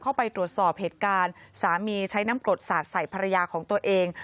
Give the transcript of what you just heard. เข้าไปตรวจสอบเหตุการณ์สามีใช้น้ำกรดสาดใส่ภรรยาของตัวเอง